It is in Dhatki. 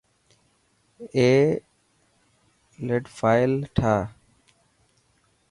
اي لڊ فائل ٺاهه.